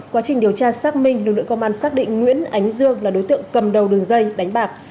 quá trình điều tra xác minh lực lượng công an xác định nguyễn ánh dương là đối tượng cầm đầu đường dây đánh bạc